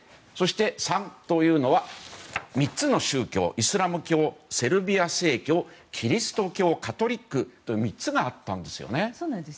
そして、３というのは３つの宗教イスラム教、セルビア正教キリスト教カトリックの３つがあったんですね。